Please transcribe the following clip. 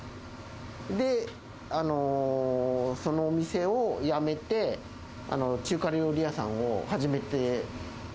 で、そのお店を辞めて、中華料理屋さんを始めて。